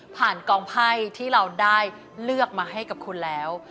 กองไพ่ที่เราได้เลือกมาให้กับคุณแล้ว